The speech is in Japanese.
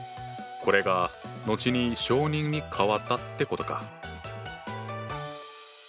これが後に小人に変わったってことか。